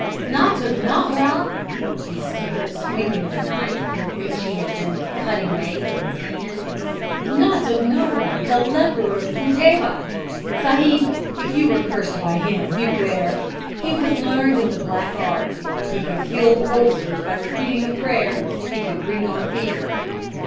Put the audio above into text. "'Not of Nahra!' he stuttered, swinging the knife with which he had been cutting maize in his hand, 'not of Nahra, the leper of Futtebah. Sahib, if you were cursed by him, beware. He was learned in the black arts; he could heal ulcers by repeating a prayer, he could bring on fever.'